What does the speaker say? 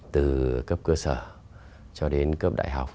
từ cấp cơ sở cho đến cấp đại học